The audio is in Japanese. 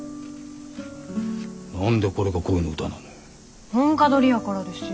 何でこれが恋の歌なのよ。